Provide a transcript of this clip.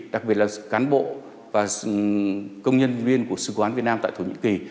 đặc biệt là cán bộ và công nhân viên của sư quán việt nam tại thổ nhĩ kỳ